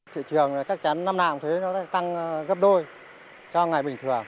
thị trường chắc chắn năm nào cũng thế nó sẽ tăng gấp đôi cho ngày bình thường